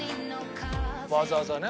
「わざわざね